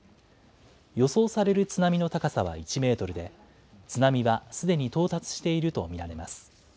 予想される津波の高さは１メートルで、津波はすでに到達していると見られます。